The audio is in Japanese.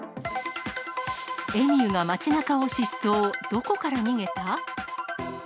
エミューが街なかを疾走、どこから逃げた？